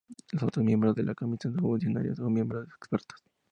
Los otros miembros de la Comisión son funcionarios o miembros expertos.